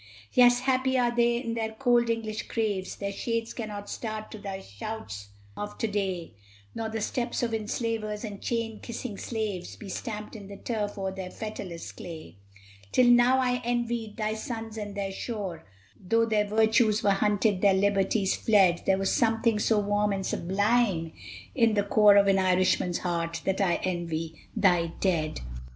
Yes, happy are they in their cold English graves! Their shades cannot start to thy shouts of to day, Nor the steps of enslavers and chain kissing slaves Be stamped in the turf o'er their fetterless clay. Till now I had envied thy sons and their shore, Though their virtues were hunted, their liberties fled; There was something so warm and sublime in the core Of an Irishman's heart, that I envy thy dead.